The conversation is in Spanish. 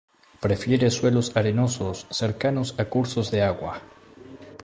Prefiere suelos arenosos cercanos a cursos de agua.